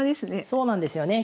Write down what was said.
そうなんですよね。